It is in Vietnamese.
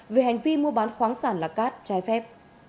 về hành vi mua bán khoáng sản là cát trái phép